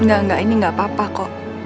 enggak enggak ini enggak apa apa kok